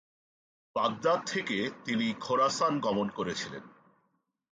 Baghdad থেকে তিনি Khorasan গমন করেছিলেন।